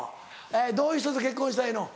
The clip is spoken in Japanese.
どういう人と結婚したいの？